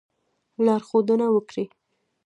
لارښودنه وکړي.